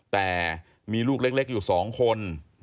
แต่มีลูกเล็กอยู่๒คน